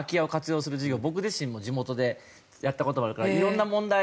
僕自身も地元でやった事があるからいろんな問題